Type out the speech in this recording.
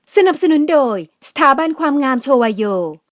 สนับสนุนโดยสถาบันความงามโชวาโย